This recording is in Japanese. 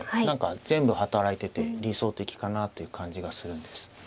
何か全部働いてて理想的かなという感じがするんです。